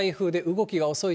動きが遅い。